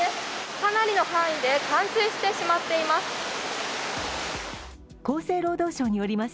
かなりの範囲で冠水してしまっています。